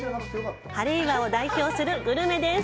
ハレイワを代表するグルメです。